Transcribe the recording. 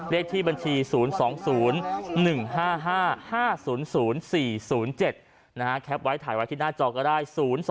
เลขที่บัญชี๐๒๐๑๕๕๕๐๐๔๐๗แคปไว้ถ่ายไว้ที่หน้าจอก็ได้๐๒๕